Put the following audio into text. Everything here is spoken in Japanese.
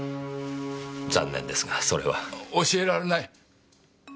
残念ですがそれは。教えられない。